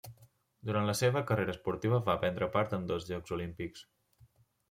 Durant la seva carrera esportiva va prendre part en dos Jocs Olímpics.